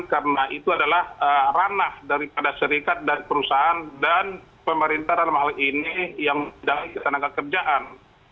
karena itu adalah ranah daripada serikat dan perusahaan dan pemerintah dalam hal ini yang jalan ke tanah kerjaan